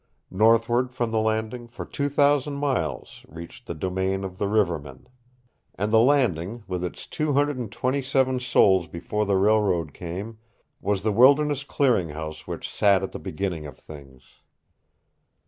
Northward from the Landing, for two thousand miles, reached the domain of the rivermen. And the Landing, with its two hundred and twenty seven souls before the railroad came, was the wilderness clearing house which sat at the beginning of things.